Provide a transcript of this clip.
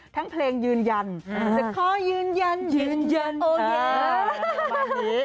ทั้งเพลงยืนยันศิลป์ขอยืนยันยืนยันโอ้เย้